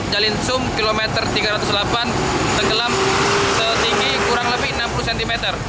jalin sum kilometer tiga ratus delapan tenggelam setinggi kurang lebih enam puluh cm